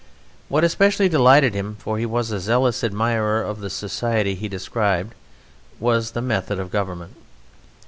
What especially delighted him (for he was a zealous admirer of the society he described) was the method of government.